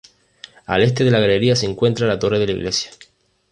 Al este de la galería se encuentra la torre de la iglesia.